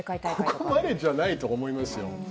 ここまでじゃないと思いますよ。